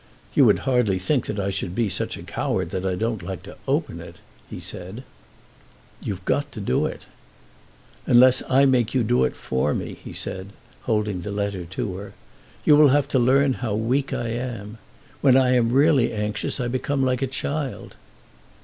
"You would hardly think that I should be such a coward that I don't like to open it," he said. "You've got to do it." "Unless I make you do it for me," he said, holding out the letter to her. "You will have to learn how weak I am. When I am really anxious I become like a child."